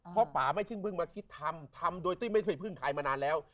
เพราะป๋าไม่เคยเพิ่งมาคิดทำทำโดยไม่เคยเพิ่งขายมานานแล้ว